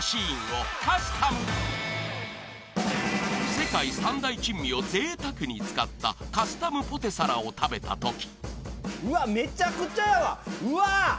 ［世界３大珍味をぜいたくに使ったカスタムポテサラを食べたとき］